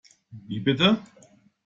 Wie bitte?